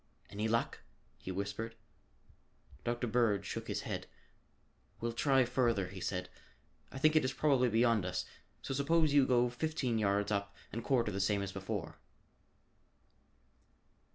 "Any luck?" he whispered. Dr. Bird shook his head. "Well try further," he said. "I think it is probably beyond us, so suppose you go fifteen yards up and quarter the same as before."